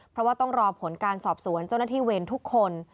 เพราะว่าต้องรอผลการสอบสวนเจ้าหน้าที่เวรทุกคน